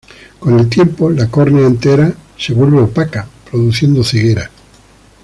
Con el tiempo la córnea entera se vuelve opaca, produciendo ceguera.